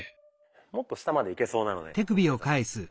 もっと下までいけそうなので浩介さん。